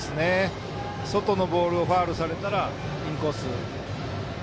外のボールをファウルされたらインコース。